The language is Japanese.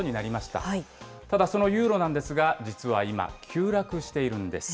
ただ、そのユーロなんですが、実は今、急落しているんです。